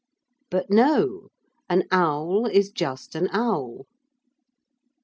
But no; an owl is just an owl.